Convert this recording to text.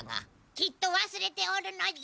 きっと忘れておるのじゃ。